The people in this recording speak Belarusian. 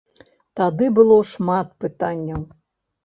Тады было шмат пытанняў.